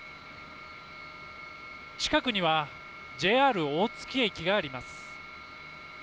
近くにはＪＲ大月駅があります。